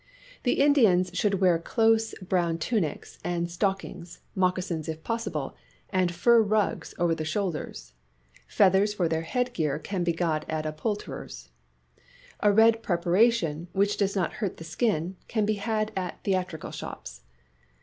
The Indians should wear close brown tunics and stock ings, moccasins if possible, and fur rugs over the shoulders. Feathers for their headgear can be got at a poulterer's. A red preparation, which does not hurt the skin, can be had at theatrical shops.